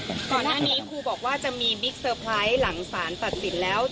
ก่อนหน้านี้ครูบอกว่าจะมีบิ๊กเซอร์ไพรส์หลังสารตัดสินแล้ว